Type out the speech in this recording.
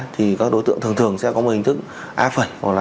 thì các đối tượng thường thường sẽ có một hình thức a